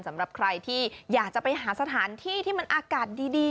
สำหรับใครที่อยากจะไปหาสถานที่ที่มันอากาศดี